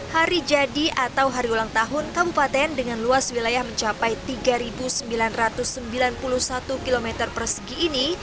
hari jadi atau hari ulang tahun kabupaten dengan luas wilayah mencapai tiga sembilan ratus sembilan puluh satu km persegi ini